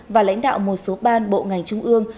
và lãnh đạo một số ban bộ ngành trung ương